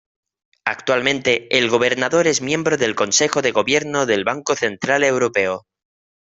Actualmente, el gobernador es miembro del Consejo de Gobierno del Banco Central Europeo.